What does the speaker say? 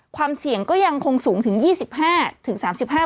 ความเสี่ยงก็ยังคงสูงถึง๒๕๓๕บาท